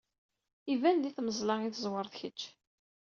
Iban di tmeẓla i tẓewreḍ kečč.